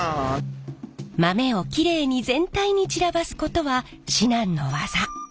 豆をきれいに全体に散らばすことは至難の業。